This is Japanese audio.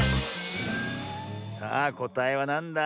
さあこたえはなんだ？